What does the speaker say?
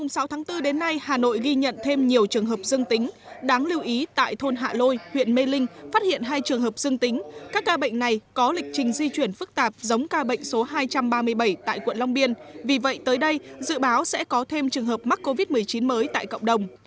từ nay hà nội ghi nhận thêm nhiều trường hợp dương tính đáng lưu ý tại thôn hạ lôi huyện mê linh phát hiện hai trường hợp dương tính các ca bệnh này có lịch trình di chuyển phức tạp giống ca bệnh số hai trăm ba mươi bảy tại quận long biên vì vậy tới đây dự báo sẽ có thêm trường hợp mắc covid một mươi chín mới tại cộng đồng